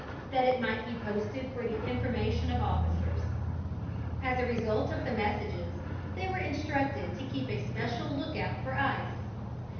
that it might be posted for the information of officers; as a result of the messages they were instructed to keep a special lookout for ice.